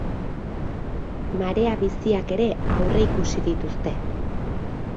Marea biziak ere aurreikusi dituzte.